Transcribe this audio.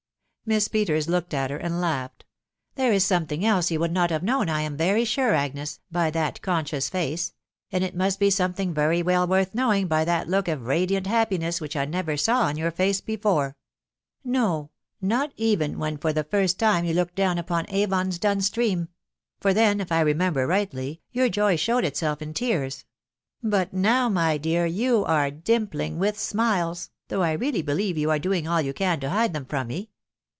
Miss Peters looked at her, and langhetL " These is some thing else ye* would not have known, I am very sure, Agnes, by that conscious face, .... and it must be something very well worth knowing by that look of radiant happiness which. I never saw on your fair face before ..*• no, not even when for the first time you looked down upon Avon's dun stream ; for then, if I remember rightly r your joy showed itself in tears ; but now, my dear, you are dimpling with smiles, though I really believe you are doing all you can to hide them from, me.